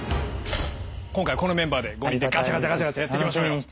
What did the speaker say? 今回このメンバーで５人でガチャガチャガチャガチャやっていきましょうよ。